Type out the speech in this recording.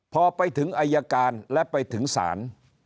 พอไปถึงอายการและไปถึงศาล